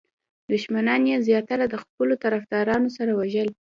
دښمنان یې زیاتره د خپلو طرفدارانو سره وژل.